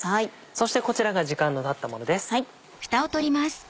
そしてこちらが時間のたったものです。